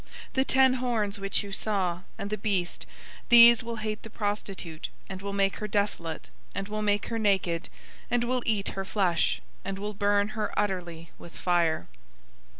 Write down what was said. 017:016 The ten horns which you saw, and the beast, these will hate the prostitute, and will make her desolate, and will make her naked, and will eat her flesh, and will burn her utterly with fire.